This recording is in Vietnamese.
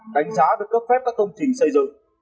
đánh giá việc cấp phép các công trình xây dựng